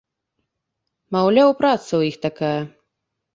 Маўляў, праца ў іх такая.